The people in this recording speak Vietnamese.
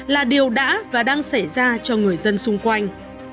là điều đã và đang xảy ra cho người dân xung quanh